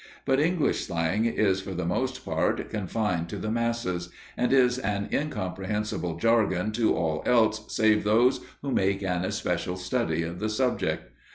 But English slang is, for the most part, confined to the "masses," and is an incomprehensible jargon to all else save those who make an especial study of the subject.